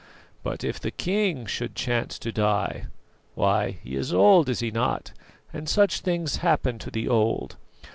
But if the king should chance to die why he is old, is he not? and such things happen to the old.